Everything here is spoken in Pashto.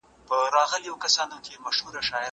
زه اوس مځکي ته ګورم؟!